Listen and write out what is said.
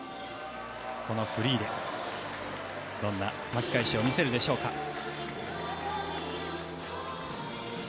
このフリーでどんな巻き返しを見せるでしょうか。